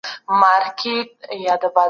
انتقاد په سینه واخلئ.